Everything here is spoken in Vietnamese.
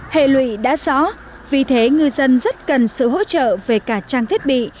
hệ lụy đã rõ vì thế ngư dân rất cần sự hỗ trợ về cả trang thiết bị